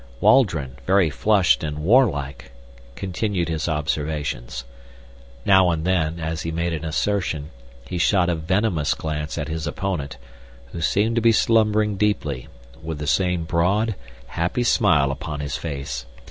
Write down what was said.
Waldron, very flushed and warlike, continued his observations. Now and then, as he made an assertion, he shot a venomous glance at his opponent, who seemed to be slumbering deeply, with the same broad, happy smile upon his face.